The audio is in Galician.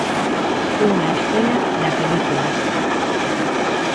Unha escena da película.